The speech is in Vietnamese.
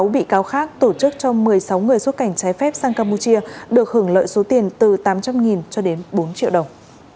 sáu bị cáo khác tổ chức cho một mươi sáu người xuất cảnh trái phép sang campuchia được hưởng lợi số tiền từ tám trăm linh cho đến bốn triệu đồng